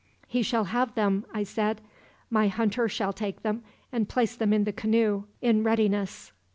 "'He shall have them,' I said. 'My hunter shall take them, and place them in the canoe, in readiness.'